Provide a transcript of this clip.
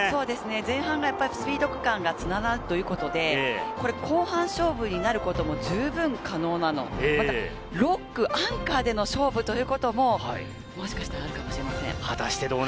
前半がスピード区間がつながるということで、後半勝負になることも十分可能なので、６区・アンカーでの勝負ということももしかしたらあるかもしれません。